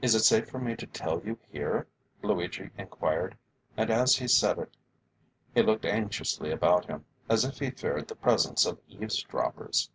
"Is it safe for me to tell you here?" Luigi enquired, and as he said it he looked anxiously about him, as if he feared the presence of eavesdroppers.